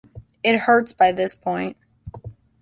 It hurts by this point.